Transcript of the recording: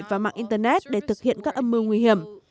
và mạng internet để thực hiện các âm mưu nguy hiểm